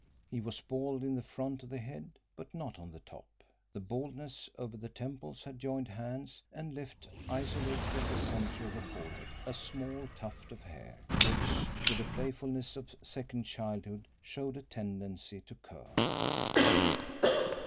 He was bald in the front of the head but not on the top. The baldness over the temples had joined hands and left isolated over the centre of the forehead a small tuft of hair, which, with the playfulness of second childhood, showed a tendency to curl.